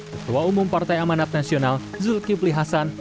ketua umum partai amanat nasional zulkifli hasan